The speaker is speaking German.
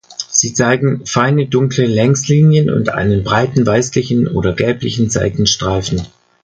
Sie zeigen feine dunkle Längslinien und einen breiten weißlichen oder gelblichen Seitenstreifen.